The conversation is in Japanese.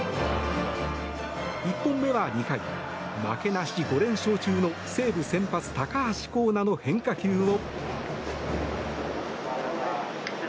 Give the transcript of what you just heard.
１本目は２回負けなし５連勝中の西武先発高橋光成の変化球を。